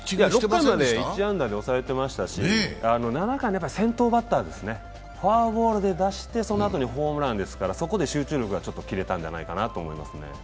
６回まで１安打に抑えてましたし７回の先頭バッターですね、フォアボールで出して、そこでホームランですから、そこで集中力がちょっと切れたんじゃないかなと思います。